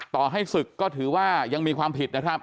ต่อให้ศึกก็ถือว่ายังมีความผิดนะครับ